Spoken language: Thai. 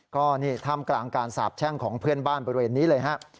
ก็นี่ท่ามกลางการสาบแช่งของเพื่อนบ้านบริเวณนี้เลยครับ